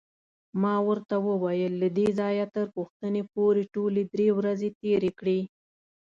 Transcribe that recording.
ما ورته وویل: له دې ځایه تر پوښتنې پورې ټولې درې ورځې تېرې کړې.